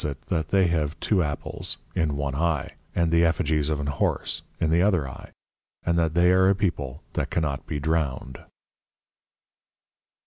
_ that they have two Apples in one Eye, and the Effigies of an Horse in the other Eye; and that they are a people that cannot be drowned.